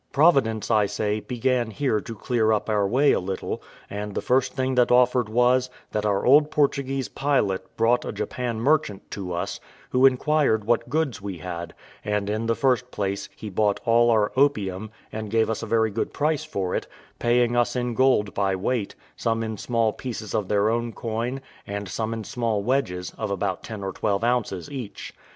Providence, I say, began here to clear up our way a little; and the first thing that offered was, that our old Portuguese pilot brought a Japan merchant to us, who inquired what goods we had: and, in the first place, he bought all our opium, and gave us a very good price for it, paying us in gold by weight, some in small pieces of their own coin, and some in small wedges, of about ten or twelves ounces each.